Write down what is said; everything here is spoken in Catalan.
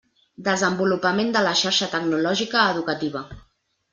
Desenvolupament de la Xarxa Tecnològica Educativa.